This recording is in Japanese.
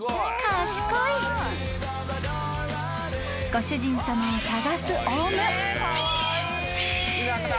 ［ご主人さまを捜すオウム］